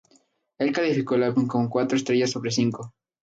Él calificó al álbum con cuatro estrellas sobre cinco.